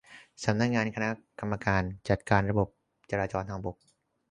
สำนักงานคณะกรรมการจัดระบบการจราจรทางบก